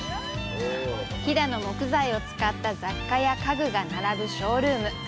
飛騨の木材を使った雑貨や家具が並ぶショールーム。